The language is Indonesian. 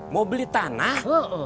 mau beli tanah